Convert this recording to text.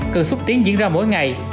cần súc tiến diễn ra mỗi ngày